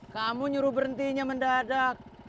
kamu nyuruh berhentinya mendadak